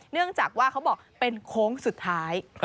เนื่องจากว่าเขาบอกเป็นโค้งสุดท้าย